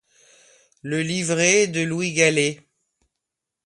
Le livret est de Louis Gallet.